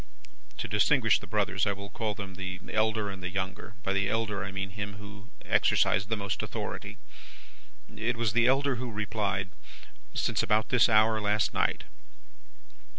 "To distinguish the brothers, I will call them the elder and the younger; by the elder, I mean him who exercised the most authority. It was the elder who replied, 'Since about this hour last night.